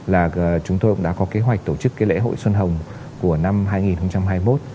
là chúng tôi cũng đã có kế hoạch tổ chức cái lễ hội xuân hồng của năm hai nghìn hai mươi một